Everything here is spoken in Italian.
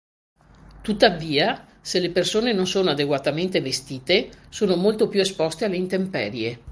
Tuttavia, se le persone non sono adeguatamente vestite, sono molto più esposte alle intemperie.